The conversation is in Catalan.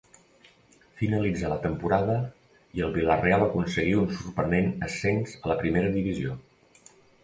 Finalitzà la temporada i el Vila-real aconseguí un sorprenent ascens a la Primera divisió.